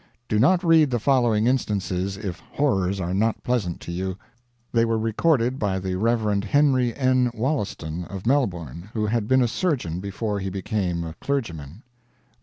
Do not read the following instances if horrors are not pleasant to you. They were recorded by the Rev. Henry N. Wolloston, of Melbourne, who had been a surgeon before he became a clergyman: 1.